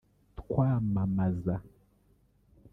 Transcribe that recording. twamamaza